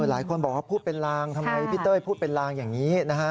หลายคนบอกว่าพูดเป็นลางทำไมพี่เต้ยพูดเป็นลางอย่างนี้นะฮะ